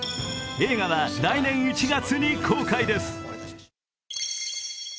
映画は来年１月に公開です。